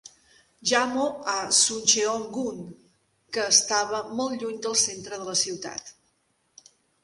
Jamo a Suncheon-gun, que estava molt lluny del centre de la ciutat.